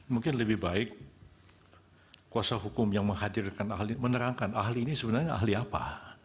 mungkin lebih baik kuasa hukum yang menghadirkan ahli menerangkan ahli ini sebenarnya ahli apa